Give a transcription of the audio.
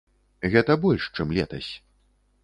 Гэта больш, чым летась.